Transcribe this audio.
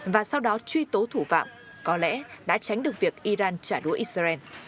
và sau đó truy tố thủ vạm có lẽ đã tránh được việc iran trả đũa israel